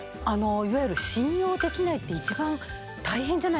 いわゆる「信用できない」って一番大変じゃないですか。